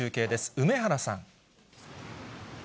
梅原さん。